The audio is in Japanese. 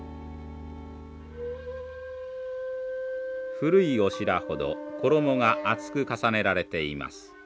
古いオシラほど衣が厚く重ねられています。